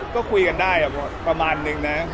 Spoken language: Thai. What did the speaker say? ก็คุยกันได้ประมาณนึงนะ